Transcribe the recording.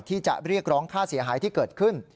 ที่จะเรียกร้องค่าเสียหายที่เกิดขึ้น